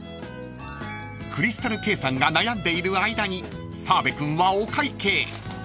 ［クリスタルケイさんが悩んでいる間に澤部君はお会計］